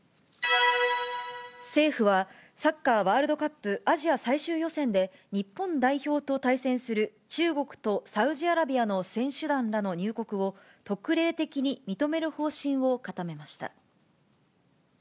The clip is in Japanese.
政府は、サッカーワールドカップアジア最終予選で、日本代表と対戦する中国とサウジアラビアの選手団らの入国を、特例的に認める方針を固めました。